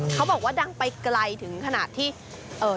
เขาบอกว่าดังไปไกลถึงขนาดที่เอ่อ